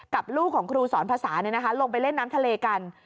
กับลูกของครูสอนภาษาลงไปเล่นน้ำทะเลกัน